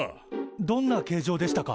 どんな形状でしたか？